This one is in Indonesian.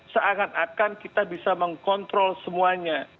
seakan akan kita bisa mengkontrol semuanya